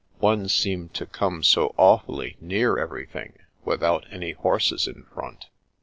One seemed to come so awfully near everything, without any horses in front."